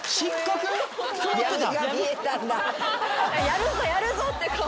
やるぞやるぞって顔。